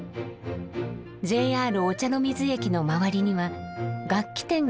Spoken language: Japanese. ＪＲ御茶ノ水駅の周りには楽器店が集まっています。